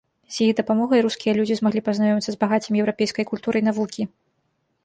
З іх дапамогай рускія людзі змаглі пазнаёміцца з багаццем еўрапейскай культуры і навукі.